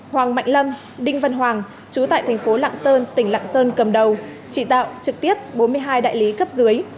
hoàng mạnh lâm đinh văn hoàng trú tại thành phố lạng sơn tỉnh lạng sơn cầm đầu trị tạo trực tiếp bốn mươi hai đại lý cấp dưới